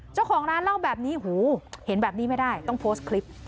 เจ้าของร้านเล่าแบบนี้หูเห็นแบบนี้ไม่ได้ต้องโพสต์คลิป